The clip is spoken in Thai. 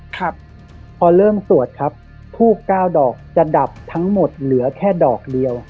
ครับพอเริ่มสวดครับทูบเก้าดอกจะดับทั้งหมดเหลือแค่ดอกเดียว